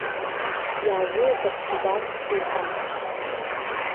Иаагылазар убас иҟан.